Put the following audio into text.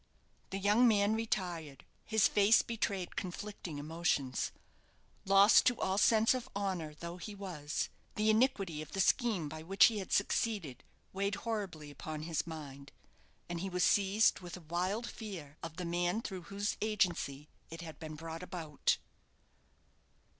The young man retired. His face betrayed conflicting emotions. Lost to all sense of honour though he was, the iniquity of the scheme by which he had succeeded weighed horribly upon his mind, and he was seized with a wild fear of the man through whose agency it had been brought about.